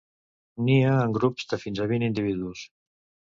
Nia en grups de fins a vint individus.